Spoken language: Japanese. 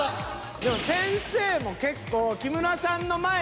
でも先生も結構。